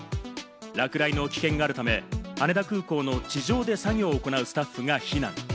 落雷の危険があるため、羽田空港の地上で作業を行うスタッフが避難。